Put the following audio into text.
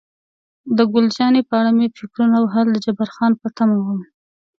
د ګل جانې په اړه مې فکرونه وهل، د جبار خان په تمه وم.